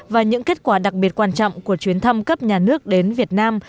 và những kết quả đặc biệt quan trọng của chuyến thăm cấp nhà nước đến việt nam